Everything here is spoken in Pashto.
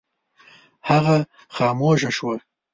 هغه خاموشه شوه.